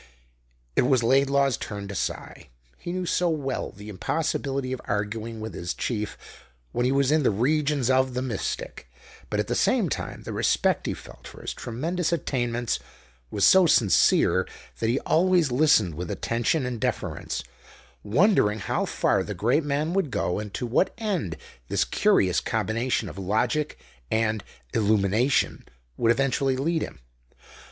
It was Laidlaw's turn to sigh. He knew so well the impossibility of arguing with his chief when he was in the regions of the mystic, but at the same time the respect he felt for his tremendous attainments was so sincere that he always listened with attention and deference, wondering how far the great man would go and to what end this curious combination of logic and "illumination" would eventually lead him.